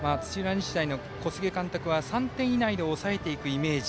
日大の小菅監督は３点以内で抑えていくイメージ。